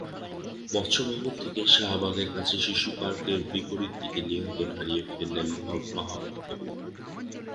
মৎস্যভবন থেকে শাহবাগের কাছে শিশুপার্কের বিপরীত দিকে নিয়ন্ত্রণ হারিয়ে ফেলেন মাহবুব।